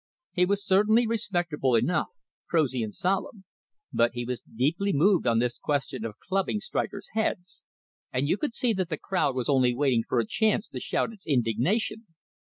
He was certainly respectable enough, prosy and solemn. But he was deeply moved on this question of clubbing strikers' heads; and you could see that the crowd was only waiting for a chance to shout its indignation.